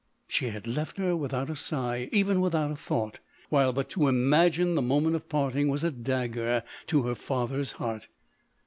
She had left her without a sigh, even without a thought ; while but to imagine the moment of parting was a dagger to her father's heart.